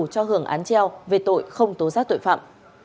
cho hưởng án treo về tội không tố giác tội phạm